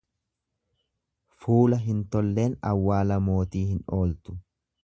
Fuula hin tolleen awwaala mootii hin ooltu.